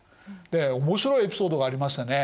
で面白いエピソードがありましてね